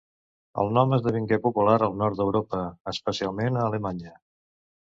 El nom esdevingué popular al nord d'Europa, especialment a Alemanya.